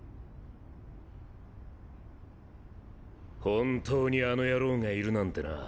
本当にあの野郎がいるなんてな。